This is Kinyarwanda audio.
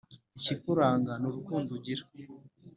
ikikuranga ni urukundo ugira